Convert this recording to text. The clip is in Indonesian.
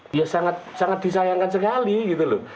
dia sangat disayangkan sekali gitu loh